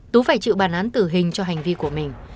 tú phải chịu bản án tử hình cho hành vi của mình